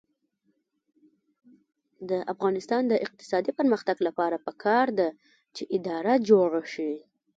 د افغانستان د اقتصادي پرمختګ لپاره پکار ده چې اداره جوړه شي.